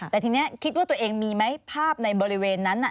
แต่ทีนี้คิดว่าตัวเองมีไหมภาพในบริเวณนั้น